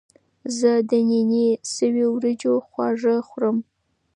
زه د نینې شوي وریجو خواږه خوړم.